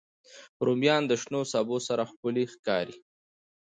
رومیان د شنو سبو سره ښکلي ښکاري